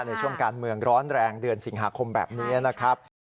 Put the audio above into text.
ในช่วงการเมืองร้อนแรงเดือนสิงหาคมแบบนี้นะครับ